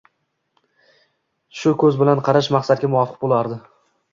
shu ko‘z bilan qarash maqsadga muvofiq bo‘lardi.